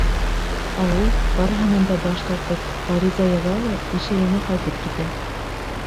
Ә ул, барыһынан да баш тартып, ғариза яҙа ла Ишәйенә ҡайтып китә.